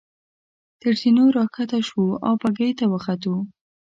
تر زینو را کښته شوو او بګۍ ته وختو.